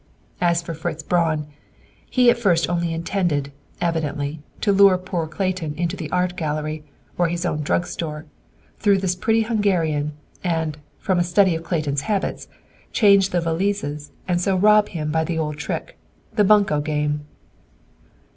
"As for Fritz Braun, he at first only intended, evidently, to lure poor Clayton into the Art Gallery or his own drug store, through this pretty Hungarian, and, from a study of Clayton's habits, change the valises and so rob him by the old trick! The bunco game!